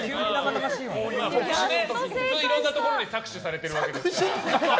普通、いろんなところに搾取されているわけですから。